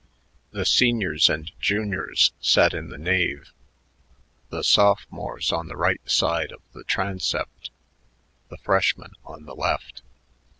The seniors and juniors sat in the nave, the sophomores on the right side of the transept, the freshmen on the left.